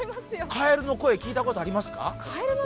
かえるの声聞いたことありますか？